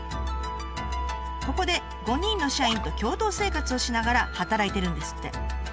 ここで５人の社員と共同生活をしながら働いてるんですって。